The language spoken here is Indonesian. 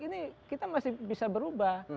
ini kita masih bisa berubah